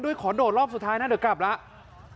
ด้วยขอนโดดรอบสุดท้ายน่าจะกลับแล้ว